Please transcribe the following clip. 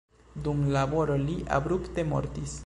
Dum laboro li abrupte mortis.